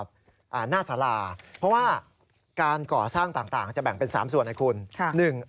เพราะว่าการก่อสร้างต่างจะแบ่งเป็น๓ส่วนนะคุณ